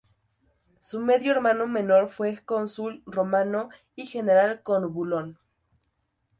Su medio hermano menor fue el cónsul romano y general Corbulón.